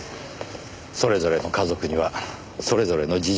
それぞれの家族にはそれぞれの事情があります。